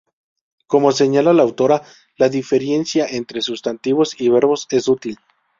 Como señala la autora, la diferencia entre sustantivos y verbos es sutil.